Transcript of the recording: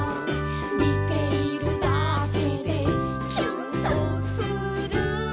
「みているだけでキュンとする」